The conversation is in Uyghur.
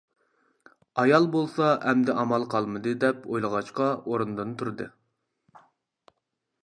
ئايال بولسا ئەمدى ئامال قالمىدى دەپ ئويلىغاچقا ئورنىدىن تۇردى.